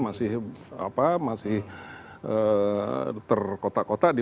masih terkotak kotak di